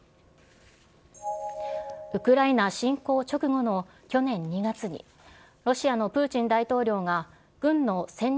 ウクライナ侵攻直後の去年２月に、ロシアのプーチン大統領が、軍の戦略